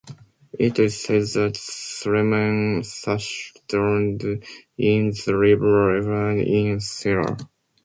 It is said that Suleyman Shah drowned in the river Euphrates in Syria.